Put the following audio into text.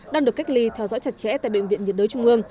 đang được cách ly theo dõi chặt chẽ tại bệnh viện nhiệt đới trung ương